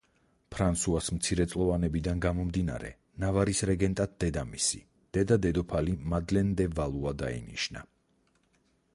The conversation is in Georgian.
ფრანსუას მცირეწლოვანებიდან გამომდინარე, ნავარის რეგენტად დედამისი, დედა-დედოფალი მადლენ დე ვალუა დაინიშნა.